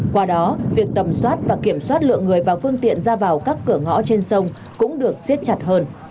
qua đó việc tầm soát và kiểm soát lượng người và phương tiện ra vào các cửa ngõ trên sông cũng được xiết chặt hơn